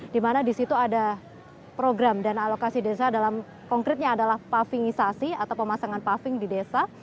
di mana di situ ada program dana alokasi desa dalam konkretnya adalah pavingisasi atau pemasangan paving di desa